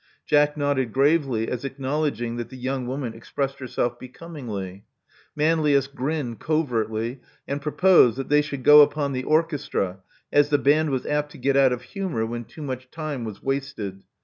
Jack nodded gravely as acknowledging that the young woman expressed herself becomingly. Manlius grinned covertly, and proposed that they should go upon the orchestra, as the band was apt to get out of humor when too much time was wasted.